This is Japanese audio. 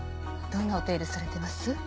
どんなお手入れされてます？